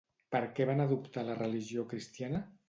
Per què van adoptar la religió cristiana?